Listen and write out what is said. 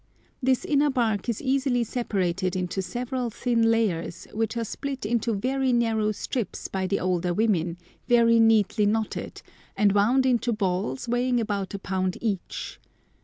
This inner bark is easily separated into several thin layers, which are split into very narrow strips by the older women, very neatly knotted, and wound into balls weighing about a pound each.